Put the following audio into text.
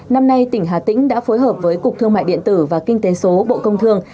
năm nay tỉnh hà tĩnh đã phối hợp với cục thương mại điện tử và kinh tế số bộ công thương